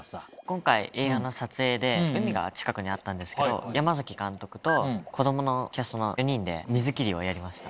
今回映画の撮影で海が近くにあったんですけど山崎監督と子供のキャストの４人で。